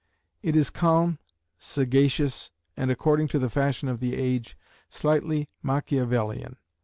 It is calm, sagacious, and, according to the fashion of the age, slightly Machiavellian.